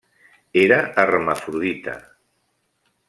Era hermafrodita.